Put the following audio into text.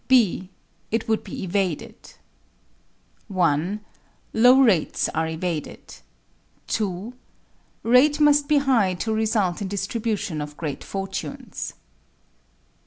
_ B. It would be evaded 1. Low rates are evaded 2. _Rate must be high to result in distribution of great fortunes.